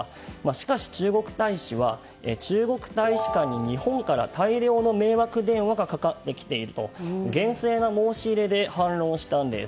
しかし、中国大使は中国大使館に日本から大量の迷惑電話がかかってきていると厳正な申し入れで反論をしたんです。